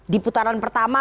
di putaran pertama